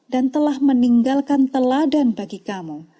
dan telah meninggalkan teladan bagi kamu